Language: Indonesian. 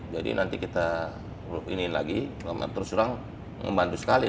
jadi nanti kita iniin lagi lama lama terus lalu membantu sekali